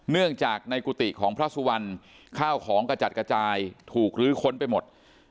เนื่องจากในกุฏิของพระสุวรรณข้าวของกระจัดกระจายถูกลื้อค้นไปหมด